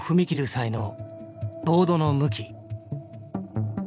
際のボードの向き。